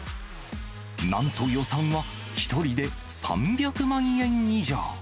なんと予算は、１人で３００万円以上。